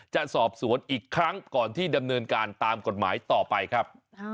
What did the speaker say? จะสอบสวนอีกครั้งก่อนที่ดำเนินการตามกฎหมายต่อไปครับ